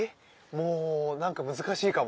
もうなんか難しいかも。